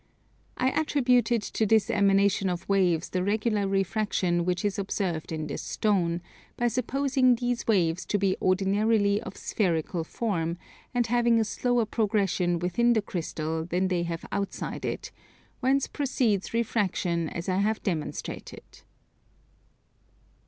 I attributed to this emanation of waves the regular refraction which is observed in this stone, by supposing these waves to be ordinarily of spherical form, and having a slower progression within the Crystal than they have outside it; whence proceeds refraction as I have demonstrated.